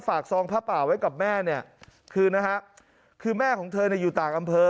ฝากซองผ้าป่าไว้กับแม่คือแม่เธออยู่ต่างอำเฟอ